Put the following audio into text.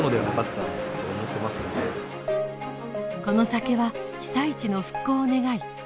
この酒は被災地の復興を願い